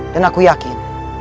dan aku yakin